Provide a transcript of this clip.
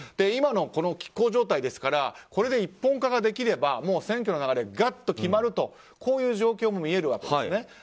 今は拮抗状態ですからこれで一本化ができれば選挙の流れが決まるという状況も見えるわけですね。